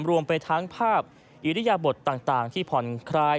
รวมไปทั้งภาพอิริยบทต่างที่ผ่อนคลาย